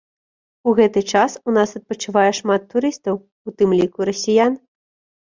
У гэты час у нас адпачывае шмат турыстаў, у тым ліку расіян.